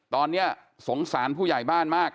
ตอนนี้สงสารผู้ใหญ่บ้านมาก